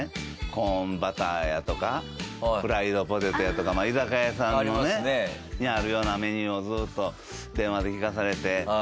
コーンバターやとかフライドポテトやとか居酒屋さんのねあるようなメニューをずっと電話で聞かされて。